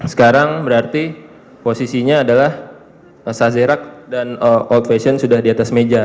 sekarang berarti posisinya adalah sazerac dan old fashion sudah di atas meja